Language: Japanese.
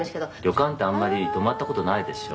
「旅館ってあんまり泊まった事ないでしょ？」